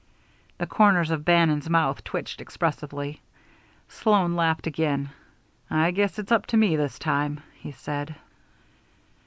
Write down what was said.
The corners of Bannon's mouth twitched expressively. Sloan laughed again. "I guess it's up to me this time," he said.